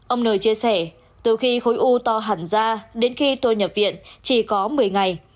ông nời chia sẻ từ khi khối u to hẳn ra đến khi tôi nhập viện chỉ có một mươi ngày